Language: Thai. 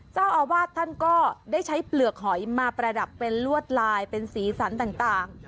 เจ้าอาวาสท่านก็ได้ใช้เปลือกหอยมาประดับเป็นลวดลายเป็นสีสันต่าง